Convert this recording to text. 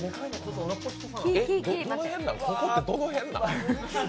ここってどの辺なん？